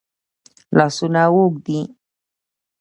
لاسونه اوږد دي.